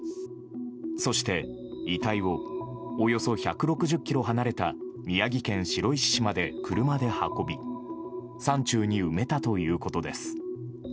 そして、遺体をおよそ１６０ｋｍ離れた宮城県白石市まで車で運び山中に埋めたということです。